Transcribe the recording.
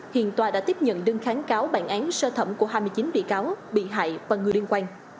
hiện tòa đã tiếp nhận đơn kháng cáo bản án sơ thẩm của hai mươi chín bị cáo bị hại và người liên quan